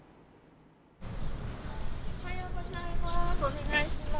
おはようございます。